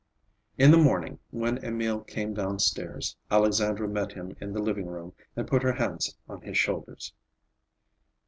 In the morning, when Emil came down stairs, Alexandra met him in the sitting room and put her hands on his shoulders.